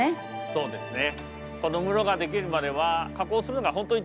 そうですね。